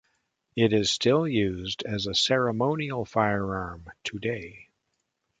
It is still used as a ceremonial firearm today.